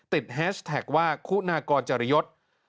แฮชแท็กว่าคุณากรจริยศ